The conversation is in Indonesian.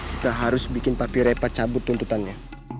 kita harus bikin papi repat cabut tuntutannya